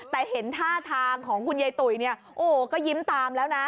แต่เห็นท่าทางของคุณเย้ตุ๋ยก็ยิ้มตามแล้วนะ